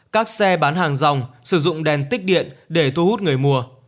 các xe bán hàng rong sử dụng đèn tích điện để thu hút người mua